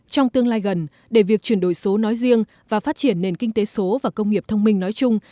trong tương lai gần để việc chuyển đổi số nói riêng và phát triển nền kinh tế số và công nghiệp thông minh nói chung